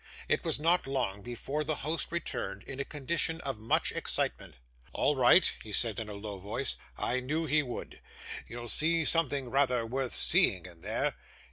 It was not long before the host returned, in a condition of much excitement. 'All right,' he said in a low voice. 'I knew he would. You'll see something rather worth seeing, in there.